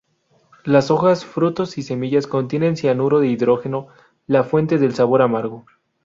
Las hojas, frutos y semillas contienen cianuro de hidrógeno, la fuente del sabor amargo.